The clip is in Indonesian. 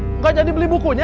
kang gak jadi beli bukunya